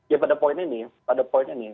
ya pada poin ini